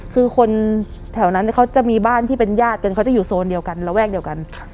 คือคนแถวนั้นเขาจะมีบ้านที่เป็นญาติกันเขาจะอยู่โซนเดียวกันระแวกเดียวกัน